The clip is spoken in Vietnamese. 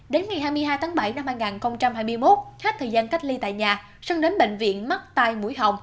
đến ngày hai mươi hai tháng bảy năm hai nghìn hai mươi một hết thời gian cách ly tại nhà sơn đến bệnh viện mắc tai mũi hồng